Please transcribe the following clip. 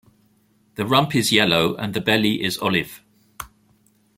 The rump is yellow and the belly is olive.